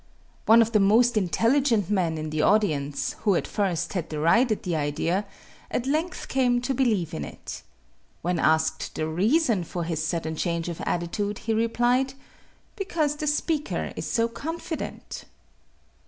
One of the most intelligent men in the audience, who at first had derided the idea, at length came to believe in it. When asked the reason for his sudden change of attitude, he replied: "Because the speaker is so confident."